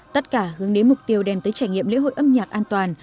tất cả hướng đến mục tiêu đem tới trải nghiệm lễ hội âm nhạc an toàn